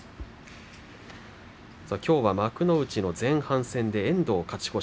きょう幕内の前半戦で遠藤、勝ち越し。